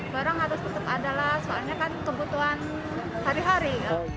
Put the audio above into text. barang harus tetap adalah soalnya kan kebutuhan hari hari